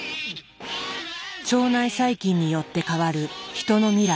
腸内細菌によって変わる人の未来。